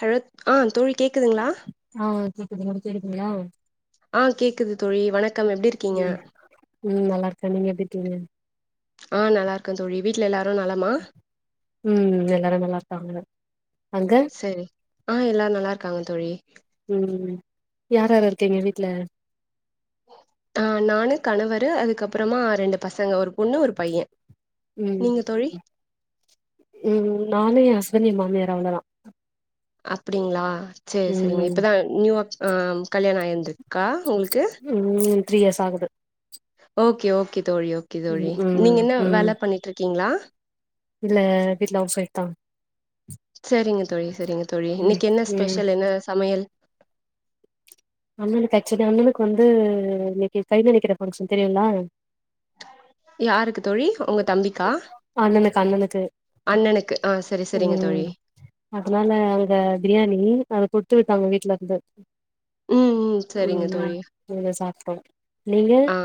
Hello ஆ தோழி கேட்குதுங்களா ஆ கேக்குது உங்களுக்கு கேக்குதுங்களா ஆ கேக்குது தோழி வணக்கம் எப்டி இருக் ம் ம் நல்லாருக்கே நீங்க எப்டியிருக்கீங்க ஆ நல்லா இருக்கன் தோழி வீட்ல எல்லாரு நலமா ம் எல்லாரு நல்லா இருக்காங்க அங்க சரி ஆ எல்லாரு நல்லா இருக்காங்க தோழி ம் யாராரு இருக்கீங்க வீட்டுல ஆ நானு கணவரு அதுக்கப்பறமா ரெண்டு பசங்க ஒரு பொண்ணு ஒரு பையன் ம் ம் நானு என் ஹஸ்பண்ட் என் மாமியாரு அவ்ளோ தா அப்டிங்களா சேரி செரிங்க ம் இப்ப தா நியூவா ஆ கல்யானோ ஆயிருந்திருக்கா உங்களுக்கு ம் த்ரீ இயர்ஸ் ஆகுது ஓகே ஓகே தோழி ஓகே தோழி ம் நீங்க ம் என்ன ம் வேல பண்ணிட்டு இருக்கீங்களா இல்ல வீட்ல ஹவுஸ்ஒய்ஃப் தா செரிங்க தோழி செரிங்க தோழி ம் இன்னைக்கு என்ன ம் ஸ்பெஷல் என்ன சமையல் அண்ணனுக்கு ஆக்சுவலா அண்ணனுக்கு வந்து இன்னைக்கு கைநனைக்கிற ஃபங்க்ஷன் தெரியுங்ளா யாருக்கு தோழி உங்க தம்பிக்கா அண்ணனுக்கு அ அண்ணனுக்கு ஆ சரி சரிங்க ம் தோழி அதனால அங்க ப்ரியாணி அத குடுத்து விட்டாங்க வீட்லருந்து ம், ம். சரிங்க தோழி அத சாப்ட்டோ நீங்க ஆ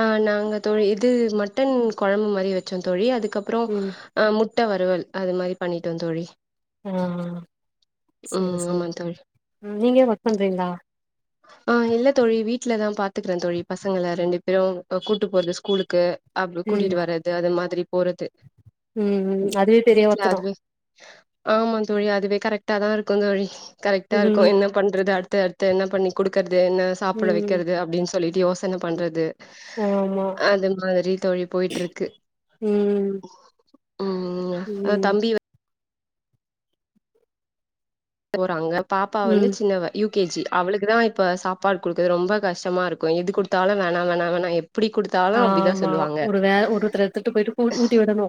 ஆ நாங்க தோழி இது மட்டன் கொழம்பு மாரி வச்சோ தோழி அதுக்கப்றோ ம் ஆ முட்ட வறுவல் அது மாரி பண்ணிட்டோ தோழி ஆ ஆ செரி ம் ஆமா செரி தோழி. ம் நீங்க ஒர்க் பண்ரீங்களா ஆ இல்ல தோழி வீட்ல தா பாத்துக்கற தோழி பசங்கள ரெண்டு பேரு கூட்டு போறது ஸ்கூலுக்கு அப்ற ம் கூட்டிட்டு வர்ரது அது மாதிரி போறது ம் ம் அதுவே பெரிய வீட்ல ஒர்க் தா அதுவே ஆமா தோழி அதுவே கரெக்ட்டா தா இருக்கு தோழி கரெக்டா இருக்கு ம் என்னப் பண்றது அடுத்த அடுத்து என்ன பண்ணி குடுக்குறது என்ன சாப்ட ம் வைக்கறது அப்டின் சொல்லிட்டு யோசன பண்றது ஆமா அது மாரி தோழி போயிட்ருக்கு ம் ம் ஆ ம் தம்பி வே போறாங்க பாப்பா வந்து ம் சின்னவ யூ கே ஜி அவளுக்கு தா இப்ப சாப்பாடு குடுக்குறது ரொம்ப கஷ்டமா இருக்கு எது குடுத்தாலு வேணா வேணா வேணா எப்படி குடு ஆமா ஒரு வேல ஒருதர்த்துட்ட போய்டு ஊட்டி விடனு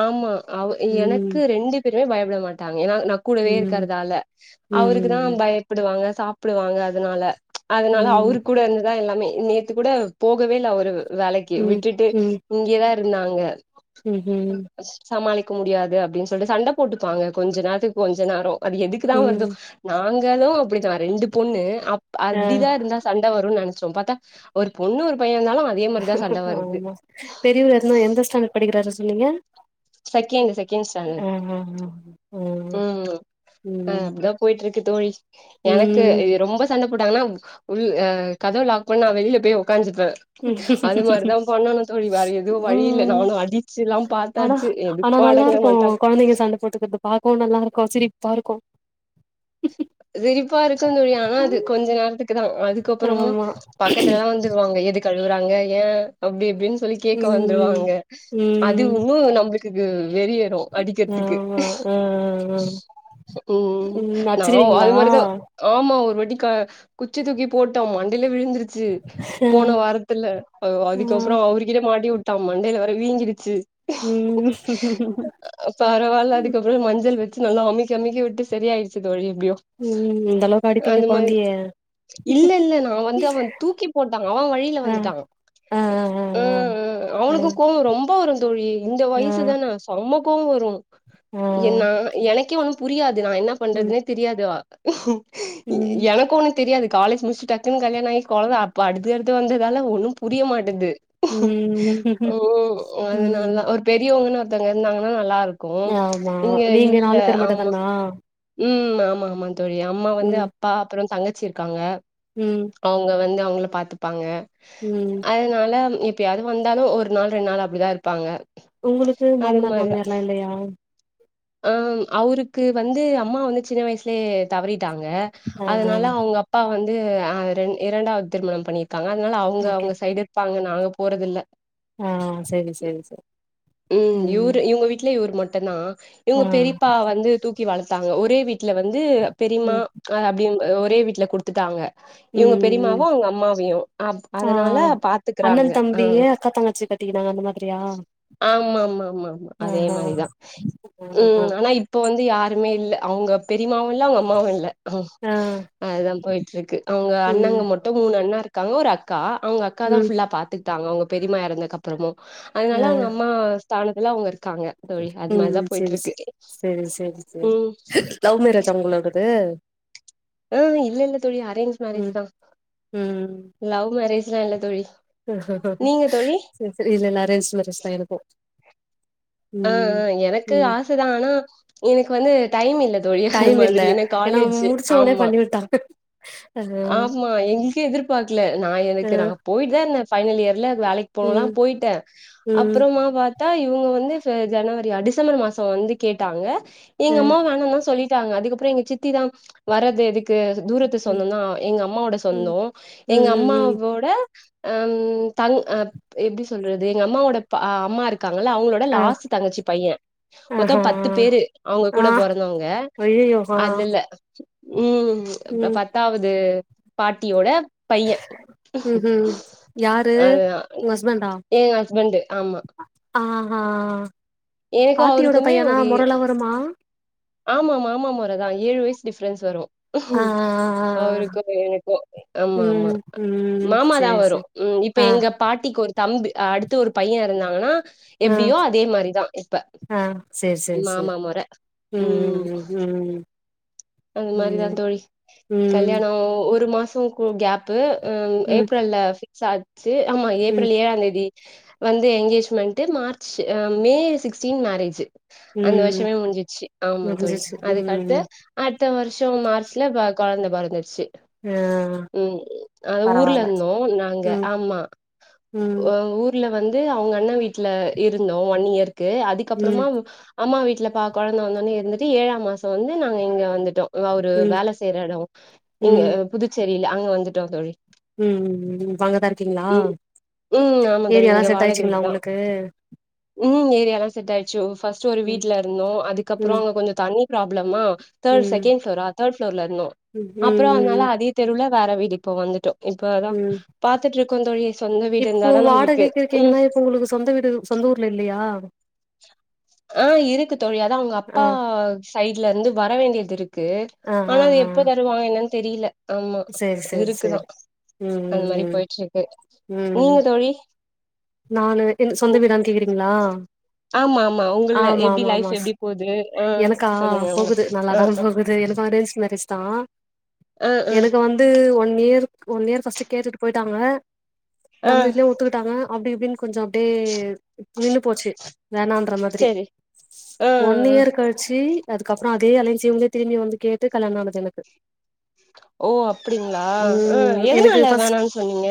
ஆமா அவ ம் எனக்கு ரெண்டு பேருமே பயப்பட மாட்டாங்க ஏன்னா நா கூடவே ம் இருக்கறதால அவருக்கு தா ம் பயப்படுவாங்க சாப்புடுவாங்க அதனால அதனால ம் அவரு கூட இருந்துதா எல்லாமே நேத்து கூட போகவே இல்ல அவரு வேலைக் கி ம் விட்டுட்டு இங்கேதா இருந்தாங்க ம் ம் சமாளிக்க முடியாது அப்டின்னு சொல்லிட்டு சண்ட போட்டுப்பாங்க கொஞ்ச நேரத்துக்கு கொஞ்ச நேரோ அது எதுக்கு தா வர்தோ ம் நாங்களு அப்டித்தா ரெண்டு பொண்ணு அப் ஆ அப்டிதா இருந்தா சண்ட வருன் நெனச்சோ பாத்தா ஒரு பொண்ணு ஒரு பையன் இருந்தாலு அது ஆமா பெரியவர்னா எந்த ஸ்டாண்டர்ட் படிக்கிறாரு சொன்னீங்க செகண்ட் செகண்ட் ஸ்டாண்டர்ட் ம் ம் ம் ம் ஆ அப்டிதா போயிட்டு இருக்கு தோழி எனக்கு ம் இது ரொம்ப சண்ட போட்டாங்னா உள் அ கதவ லாக் பண்ணா வெளியில போய் உக்காந்துப்பே ம் அது மாரிதா பண்ணனு தோழி வேற எதுவு வழியில்ல ம் நானு அடிச்சு எல்லா பாத் ஆனா ஆனா நல்லா இருக்கு கொழந்தைங்க சண்ட போட்டுக்கிறத பாக்கவு நல்லா இருக்கு சிரிப்பா இருக்கு சிரிப்பா இருக்கு தோழி ஆனா அது கொஞ்ச நேரத்துக்கு தா அதுக்கப்பறமா ஆமா பக்கத்துலலா வந்துருவாங்க எதுக் கு அழுவுறாங்க ஏன் அப்டி இப்டின்னு சொல்லி கேட்க ம் வந்துருவாங்க அது ம் உன்னு நம்ளு க்கு வெறி ஏறு அடிக்கிறதுக்கு ஆமா ஆ ஆ ம் ம் நா அது மாரிதா ஆமா ஒரு வாட்டி க குச்ச தூக்கி போட்டான் மண்டையிலே விழுந்து ச்சு ஆ போன வாரத்துல ஆ அதுக்கப்றோ அவருக்கிட்ட மாட்டி டா மண்டையில வேர வீங்கிடுச்சு உம் பரவால்ல அதுக்கப்றோ மஞ்சள் வச்சு நல்லா அமிக்கி அமிக்கி விட்டு சரிய ஆயிருச்சு தோழி எப்டியோ ம் இந்த அளவுக்கு அடிப்பீங்க அந்த மாரி கொழந்தைய இல்ல இல்ல நா வந்து அவன் தூக்கி போட்டா அவன் வழியில ஆ வந்துட்டா ஆ ஆ ம் ம் ஆ ஆ அவனுக்கு கோவோ ரொம்ப வரு தோழி இந்த ஆ வயசு தான ரொம்ப கோவம் வரு ஆ என்னா எனக்கே ஒண்ணு புரியாது நா என்னா ம் பண்றதுனே தெரியாது ம் எனக்கு ஒன்னு தெரியாது காலேஜ் முடிச்சிட்டு டக்குன்னு கல்யாண ஆயி கொழந்த அப்ப அடுத்து அடுத்து வந்ததால ஒண்ணும் புரிய மாட்டுது ம் ஓ அது ம் நல்லா ஒரு பெரியவங்கன்னு ஒருத்தவங்க இருந்தாங்கன்னா நல்லா இருக் கு ஆமா இங்க நீங்க இல்ல நாலு பேர் மட்டு ஆமா தானா உம் ஆமா ஆமாங் தோழி அம்மா வந்து ம் அப்பா அப்றோ தங்கச்சி இருக்காங்க ம் அவங்க வந்து அவங்கள பாத்துப்பாங்க ம் அதனால எப்பயாவது வந்தாலு ஒரு நாள் ரெண்டு நாள் அப்டிதா இருப்பாங்க உங்களுக்கு அது மாமனார் மாரிதா மாமியார் எல்லா இல்லையா ஆ அவருக்கு வந்து அம்மா வந்து சின்ன வயசுலே தவறிட்டாங்க ஆ ஆ அதனால அவுங்க அப்பா வந்து இரண்டாவது திருமணம் பண்ணி டாங்க அதனால அவுங்க ஓகே அவுங்க சைடு இருப்பாங்க நாங்க போறது இல்ல ஆ சரி சரி சரி ம் ம் இவரு இவங்க வீட்ல இவரு மட்டு தா ஆ இவுங்க பெரிப்பா வந்து தூக்கி வளத்தாங்க ஒரே வீட்ல வந்து பெரிம்மா ம் அ அப்டின் ஒரே வீட்ல குடுத்துட்டாங்க இவுங்க ம் ம் பெரிமாவு அவங்க அம்மாவையு அ ஆ அதனால பாத்துக்கறாங்க ஆ ரீனா அந்த மாதிரியா ஆமா ஆமா ஆமா ஆமா ஆ அதே ஆ மாரிதா ஆ உம் ஆனா இப்போ வந்து யாருமே இல்ல அவுங்க பெரிமாவு இல்ல அவங்க அம்மாவு இல்ல ஆ அதுதா போயிட்டு இருக்கு அவங்க அண்ணங்க ம் மட் மூணு அண்ணா இருக்காங்க ஒரு அக்கா அவங்க அக்கா தான் ம் ஃபுல்லா பாத்துக்கிட்டாங்க அவுங்க பெரிமா இறந்ததுக்கு அப்றமு அதனால ஆ அவுங்க அம்மா ஸ்தானத்துல அவுங்க இருக்காங்க தோழி. அது ம் மாரிதா சேரி போயிட்ருக்கு. சேரி சேரி சேரி ம் லவ் மேரேஜா உங்களோடது ம் இல்ல இல்ல தோழி அரேஞ்ச் மேரேஜ் ம் தா ம் லவ் மேரேஜ்லா இல்ல தோழி நீங்க தோழி? சரி சரி இல்ல இல்ல அரேஞ்ச் மேரேஜ் தா எனக்கு ஆ ம் ஆ எனக்கு ம் ஆசைதா ஆனா எனக்கு வந்து டைம் இல்ல தோழி அந்த டைம் இல்ல மாதிரி ஏன்னா காலேஜு முடிச்ச உடனே ஆமா. பண்ணி விட்டாங்க ஆ ஆமா எங்களுக்கே எதிர்பாக்கல நா ஆ எனக்கு நா போயிட்டு தான் இருந்தே பைனல் இயர்லா வேலைக்கு போலாம் ம் போயிட்டே ம் அப்றமா பாத் த்தா இவங்க வந்து ஜனவரியா டிசம்பர் மாசம் வந்து கேட்டாங்க ஆ எங்க அம்மா வேணாம்னு தான் சொல்லி க்கா அதுக்கப்புறோ எங்க சித்தி தா வர்றது எதுக்கு தூரத்து ம் சொந்த தா எங்க அம்மாவோட சொந்த ம் ம் எங்க ம் ம் அம்மாவோட அம் தங் எப்டி சொல்றது எங்க அம்மாவோட அம்மா இருக்கு இருக்காங்கள அவுங்களோட ஆ லாஸ்ட் தங்கச்சி பையே மொத்த ஆஹா பத்து பேரு அவுங்க கூட பொறந்தவங்க அய்யயோ ஆ அதுல ம் ம் பத்தாவது பாட்டியோட பையே ம்ஹும் யாரு அ ஏ ஹஸ்பண்ட் ஆமா ஆ எனக்கு பாட்டியோட அவருக்குமே பையனா ஒரு முறளா வருமா ஆமா மாமமுறைதா ஏழு வயசு டிஃப்ரென்ஸ் வரு ஆ ஆ ஆ ஆ அவருக்கு எனக்கும் ஆமா ஆமா ம் ம் மாமா தா சேரி வரும் சேரி ம் இப்ப ஆ எங்க பாட்டிக்கு ஒரு தம்பி அடுத்து ஒரு பையன் இருந்தாங்கன்னா ஆ எப்டியோ அதே மாரிதா இப்ப ஆ சேரி சேரி சேரி மாமா முறை ம் அது மாரிதா ம் தோழி ம் கல்யாண ஒரு மாசம்ருக்கு கேப்பு ம் ஏப்ரல்ல பிக்ஸ் ஆ ச்சு ஆமா ம் ஏப்ரல் ஏழாந் தேதி வந்து engagement March May sixteen marriage அந்த ம் வருஷமே முடிஞ்சிருச்சு ஆமா தோழி முடிஞ்சிச்சு அதுக்கடுத்து ம் அடுத்த வருஷோ மார்ச்ல கொழந்த பொறந்துருச்சு ஆ ம் அ ஊர்ல பரவால்ல இருந்தோ நாங்க ம் ஆமா ம் ஊர்ல வந்து அவங்க அண்ண வீட்ல இருந்தோ ஒன் இயர்கக்கு ம் அதுக்கப்றமா அம்மா வீட்ல பா குழந்தை வந்தோனே இருந்துட்டு ஏழாம் மாசோ வந்து நாங்க இங்க வந்துட்டோ அவரு ம் ம் வேலை செய்ற இடம் இங்க ம் புதுச்சேரியில அங்க வந்துட்டோ தோழி ம் இப்ப அங்கதா இருக்கீங்ளா ம் ம் ஆமா தோழி ஏரியால்லா இங்க செட் வாடக ஆயிடுச்சுங்ளா வீடுதா உங்களுக்கு ம் ஏரியா எல்லா செட் ஆயிடுச்சு ஃபஸ்ட்டு ஒரு ம் வீட்ல இருந்தோ அதுக்கப்றோ ம் அங்க கொஞ்ச தண்ணி ப்ராப்ளமா தேர்ட் ம் செகண்ட் ஃபிளோரா தேர்ட் ஃபிளோர்ல இருந்தோ ம் ம் ம் அப்றோ அதனால ம் அதே தெருவுல வேற வீடு இப்போ வந்துட்டோ இப்ப அதா ம் பாத்துட்டு இருக்கோ தோழி சொந்த வீடு இப்போ இருந்தாதா நம்ளுக்கு வாடகைக்கு ம் இருக்கீங்கன்னா இப்ப உங்களுக்கு சொந்த வீடு சொந்த ஊர்ல இல்லயா ஆ இருக்கு தோழி அதா அவங்க அப்ப ஆ அப்பா சைடுல இருந்து வர வேண்டியது இருக்கு ஆ ஆனா ஆ அது ஆ எப்ப தருவாங்க என்னன்னு தெரியல ஆமா சேரி சேரி இருக்குதா சேரி ம் அந்த மாரி ம் போய்ட்டு இருக்கு ம் ம் நீங்க தோழி நானு க்கிறது சொந்த ம் வீடான்னு கேக்குறீங்களா ஆமா ஆமா உங்கள ஆமா எப்டி ஆமா லைஃப் ஆமா எப்டி போது ஆ எனக்கா சொல்லுங்க உங்கள பத்தி போகுது ஆ நல்லாதா ஆ போகுது எனக்கும் அரேஞ்ச் மேரேஜ் தா ஆ ஆ எனக்கு வந்து இது one year one year first கேட்டுட்டு போயிட்டாங்க ஆ நம்ம வீட்லயும் ஒத்துக்கிட்டாங்க அப்டி இப்டின்னு கொஞ்சம் அப்டியே நின்னு போச்சு வேணாம் ங்கிற மாதிரி செரி ஆ ஒன் ஆ இயர் கழி ஆக்சுவசலி அதுக்கப்புறோ அதே அலேயன்சே திரும்பி வந்து கேட்டு கல்யாணோ ஆனது எனக்கு ஓ அப்டிங்களா அ ம் எனக்கு எதனால ஃபஸ்ட் வேணான்னு சொன்னீங்க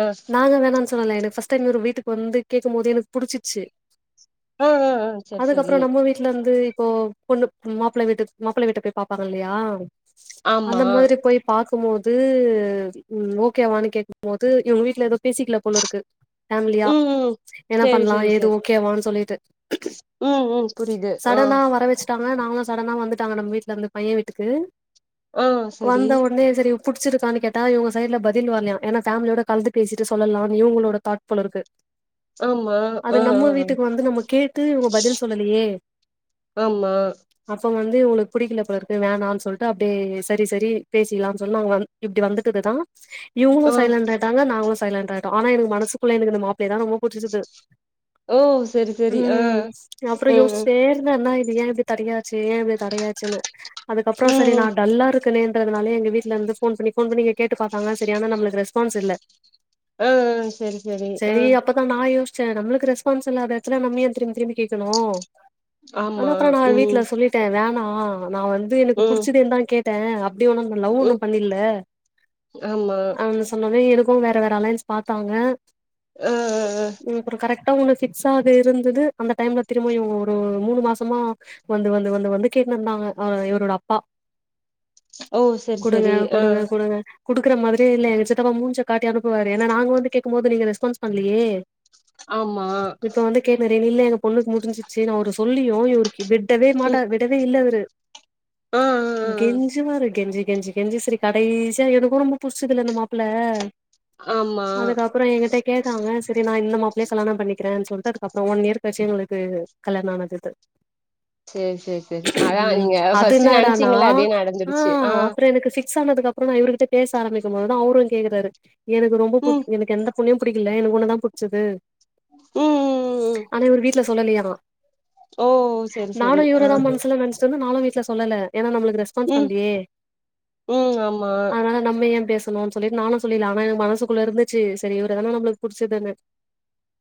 ஆ நாங்க வோணானு சொல்லல்ல எனக்கு ஃபஸ்ட் ட்டு என்னோட வீட்டுக்கு வந்து கேட்கும் போது எனக்கு புடிச்சிர்ச்சு ஆ ஆ ஆ செரி அதுக்கப்புறோ செரி நம்மோ வீட் ட்லருந்து இப்போ பொண்ணு மாப்பிளை வீட்டுக் மாப்பிளை வீட்டுக்கு போய் பாப்பாங்கில்லையா அந்த ஆமா ஆ மாரி போயி பாக்கும் போது ம் ஓகேவான்னு கேக்கும் போது இவங்க வீட்ல ஏதோ பேசிக்கல போலருக்கு ஃபேமிலியா ம் ம் என்ன சேரி பண்ணலா சேரி இது சேரி ஓகேவான்னு சொல்லிட்டு ம் ம் புரியுது ஆ சடனா வர வச்சுட்டாங்க நாங்களு சடனா வந்துட்டாங்க நம்ம வீட்லருந்து பைய வீட்டுக்கு ஆ சரி வந்தோன்னே செரி புடிச்சிருக்கான்னு கேட்டா இவங்க சைடுல பதில் வரலையா ஏன்னா ஃபேமிலியோட கலந்து பேசிட்டு சொல்லலா இவங்களோட தாட் போலருக்கு ஆமா அது ஆ ஆ நம்ம வீட்டுக்கு வந்து நம்ம கேட்டு இவங்க பதில் சொல்லலையே ஆமா அப்போ வந்து இவுங்களுக் புடிக்கல போலருக்கு வேணான் சொல்ட்டு அப்டியே செரி செரி பேசிக்கலான் சொல்ட் நாங்க வந் இப்டி வந்துட்டது தா இவங்களு ஆ சைலண்டாயிட்டாங்க நாங்களு சைலண்டாயிட்டோ ஆனா எனக்கு மனசுக்குள்ள இந்த மாப்பிள்ளையதா ரொம்ப புடிச்சுருக்கு ஓ சரி சரி ஆ ம் அப்புறோ ம் ம் யோசிச்சிட்டேருந்தே என்னாது ஏ இது தடையாச்சு ஏ இப்டி தடையாச்சுன்னு அதுக்கப்புறோ ம் செரி நா ம் டல்லா இரு க்கனேன்றதுனால எங்க வீட்லருந்து ஃபோன் பண்ணி ஃபோன் பண்ணி கேட்டு பாத்தாங்க செரியான நம்மளுக்கு ரெஸ்பான்ஸில்ல ஆ செரி சேரி அப்பதா நா யோசிச்சே நம்மளுக்கு ரெஸ்பான்ஸ் இல்லாத எடத்துல நம்ம ஏ திரும்பிதிரும்பி கேக்கணு ஆனா ஆமா அப்புறோ நா வீட்ல ம் சொல்லிட்டே வேணா நா வந்து எனக்கு ம் புடிச்சதேந்தா கேட்டே அப் டி ஒண்ணு நம்ம லவ் ஒண்ணு ம் பண்ணிர்ல ஆமா அங் சொன்னவே எனகு வேற வேற அலையன்ஸ் பாத்தாங்க அ ம் அப்புறோ கரெக்டா ஒண்ணு பிக்ஸ்ஸாக இருந்தது அந்த டைம்ல திரும்புயு இவங்க ஒரு மூணு மாசமா வந்து வந்து வந்து வந்து கேட்டுயிருந்தாங்க அ இவரோட அப்பா ஓ சரி குடுங்க சரி ஆ குடுங்க குடுங்க குடுக்குற மாரி இல்ல எங்க சித்தப்பா மூஞ்சை காட்டி அனுப்புவாரு ஏன்னா நாங்க வந்து கேக்கும்போது நீங்க ரெஸ்பான்ஸ் பண்ணலையே ஆமா கேட்னரிவுல்ல எங்க பொண்ணுக்கு முடிஞ்சிருச்சு நா அவரு சொல்லியு இவரு விடவே ம் மாட்டாரு விடவே இல்ல அவரு ஆ ஆ ஆ கெஞ்வாரு கெஞ்சி கெஞ்சி கெஞ்சி செரி கடைசியா எனக்கு ரொம்ப புடிச்சதுல்ல இந்த மாப்புள்ள ஆமா அப்புறோ ஏங்கிட்ட கேட்டாங்க செரி நா இந்த மாப்பிள்ளைய கல்யாணோபண்ணிக்கிறன் சொல்ட்டு அதுக்கப்புறோ ஒன் இயர் கழிச்சி எங்களுக்கு கல்யாணோ நடந்துத்து சேரி சேரி சேரி அதா ம் நீங்க அது ஃபர்ஸ்ட்டு என்னடானா நெனச்சீங்கல்ல அதே ஆ நடந்துடுச்சு அப்புறோ எனக்கு ஃபிக்ஸ்ஸானதுக் அப்புறோ நா இவர்கிட்ட பேச ஆரம்பிக்கும் போதுதா அவரு கேக்குறாரு எனக்கு ரொம்ப ம் பு ம் எனக் பொண்ணையு புடிக்கல எனக்கு ஒண்ணதா புடிச்சது ம் ம் ஆனா இவரு வீட்ல சொல்லலையா ஓ சரி நானு சரி ஆ இவரதா மனசுல நெனச் சேனு நானு வீட்ல சொல்லல்ல ஏன்னா நம்மளுக்கு ரெஸ்பான்ஸ் ம் பண்லயே ம் ஆமா அதனால நம்ம ஏ பேசணு சொல்லிட் நானு சொல்லில்ல ஆனா எனக்கு மனசுக்குள்ள இருந்துச்சு செரி இவறதான நம்மளுக்கு புடிச்சதுன்னு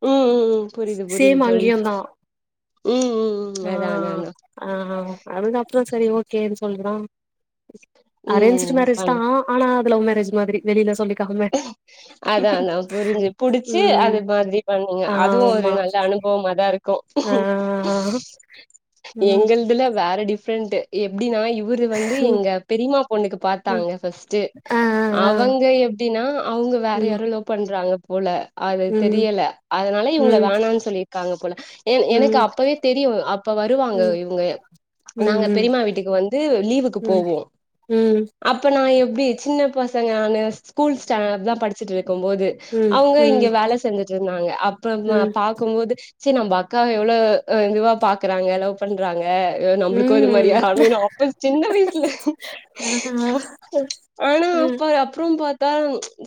ம் ம் ம் புரிது புரிது சேம் தோழி அங்கேயுந்தா ம் ம் ம் அதா அதா அதா ஆ ஆ அதுக்கப்புறோ செரி ஓகேன்னு சொல்றா அரேஞ்ச்ட் ம் மேரேஜ் தா பண் ஆனா அது லவ் மேரேஜ் மாதிரி வெளில சொல்லிக்காம அதா அதா புரிஞ்சு புடிச்சு ம் அது மாதிரி பண்ணுங்க அதுவு ஒரு ஆமா நல்ல அனுபவமா தா இருக் கு ஆ ம் எங்கள்துல வேற டிஃபிரண்ட்டு எப்டின்னா இவரு வந்து எங்க பெரியம்மா பொண்ணுக்கு ம் பாத்தாங்க ஃபஸ்ட்டு ஆ ஆ அவங்க எப் னா அவங்க வேற ம் யாரோ லவ் பண்றாங்க போல அது ம் தெரியல அதனால இவங்க ம் வேணான் சொல்லி ருக்காங்க போல எ எனக்கு ம் அப்பவே தெரியு அப்ப வருவாங்க ம் இவங்க நாங்க ம் பெரியம்மா வீட்டுக்கு வந்து லீவுக்கு ம் ம் போவோ ம் அப்ப நா எப்டி சின்ன பசங்க நானு ஸ்கூல் ஸ்டேண்டடுதா படிச் சிட்டு இருக்கும் போது அவங்க ம் இங்க வேல செஞ்சிட்டு இருந்தாங்க அப்ப ம் ம் பாக்கும்போது நம்ம அக்காவ எவ்ளோ இதுவா பாக்றாங்க லவ் பண்றாங்க நம்ளுக்கு இது மாரி ம் அமையனு அப்போ சின்ன வயசுல ஆனா அப்ப அப்றோ பாத் தா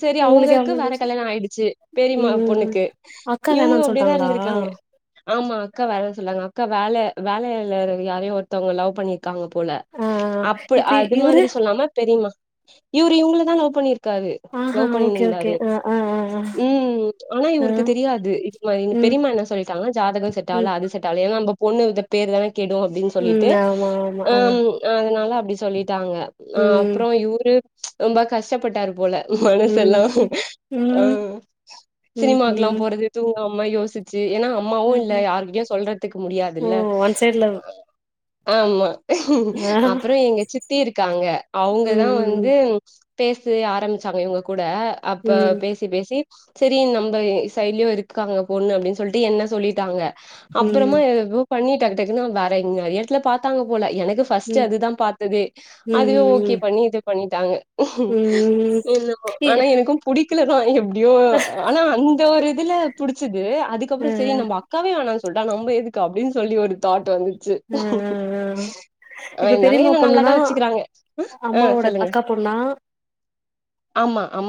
சேரி உங்களுக்கு அவங்களுக்கு ஞாபகோ வேற வந்துருச்சா கல்யாணம் ஆயிடுச்சு பெரியம்மா ம் ம் பொண்ணுக்கு அக்கா இவங்க வேணான்னு அப்டியேதா சொல்ட்டாங்களா இருந்துருக்காங்க ஆமா அக்கா வேறனு சொல்றாங்க அக்கா வேல வேலையில யாரையோ ஒருத்தவங்கல லவ் பண்ணிரு க்காங்க போல ஆ ஆ அப்ப இப்ப அது இவரு மாதிரி சொல்லாம பெரியம்மா இவரு இவங்களதா லவ் பண்ணிரு க்காரு ஆஹா லவ் ஓகே ஓகே பண்ணின்ந்தாரு ஆ ஆ ஆ ஆ ம் ஆனா ஆ இவருக்கு தெரியாது இது மாரினு ம் பெரியம்மா என்ன சொல்லிட்டாங்கன்னா ஜாதகம் செட் ம் ஆவல அது செட்டாவல ஏன்னா நம்ம பொண்ணு இது பேர் தான கெடும் அப்டின்னு ம் சொல்லிட்டு ஆமா ஆமா அ ஆ ம் அதனால அப்டி சொல்லிட்டாங்க ஆ ம் அப்றோ இவரு ரொம்ப கஷ்டப்பட்டாரு போல மனசெல்லா ம் ம் ஆ ம் சினிமாக்குல்லா ம்ஹும் போறது தூங்காமா யோசிச்சு ஏன்னா அம்மாவு இல்ல ம்ஹும் யாருகிட்டயு சொல்றதுக்கு ஓ முடியாதுல்ல ஒன் சைட்ல ஆமா ஆ அப்றோ எங்க சித்தி இருக்காங்க அவங்கதா ம் ம் வந்து பேசு ஆரம்பிச்சாங்க இவங்க கூட அப்ப ம் பேசி சித்தி பேசி சேரி நம்ப சைடுலியு இருக்காங்க பொண்ணு அப்டின்னு சொல்ட்டு என்ன சொல்லிட்டாங்க அப்பறமா ம் எதேதோ பண்ணி டக்குடக்குன்னு வேற எங் நெறைய எடத்துல பாத்தாங்க போல எனக்கு ஃபஸ்ட் ம் அதுதா பாத்தது ம் அதுவே ஓகே ம் பண்ணி இது பண்ணிட்டாங்க ம் இ ஆனா எனக்கு புடிக்ல தா எப்டியோ ஆனா அந்த ஒரு இதுல புடிச்சுது ஆ அதுக்கப்றோ சேரி நம்ம அக்காவே வேணான்னு சொல்ட்டா நம்ம எதுக்கு அப்டின்னு சொல்லி ஒரு தாட் வந்து ச்சு ஆ ஆ ஆ ஆ இப்ப இருந்தாலு பெரியம்மா என்ன பொண்ணுனா நல்லாதா வச்சுக்றாங்க ஆ அம்மாவோட சொல்லுங்க அக்கா பொண்ணா ஆமா ஆமா